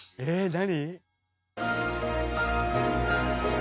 何？